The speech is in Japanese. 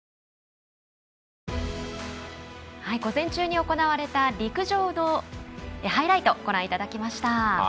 午前中に行われた陸上のハイライトをご覧いただきました。